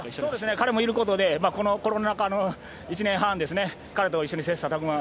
彼がいることでコロナ禍の１年半彼と一緒に切さたく磨。